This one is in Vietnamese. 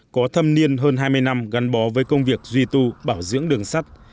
có thâm niên hơn hai mươi năm gắn bó với công việc duy tu bảo dưỡng đường sắt